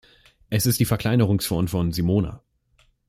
Es ist die Verkleinerungsform von Simona.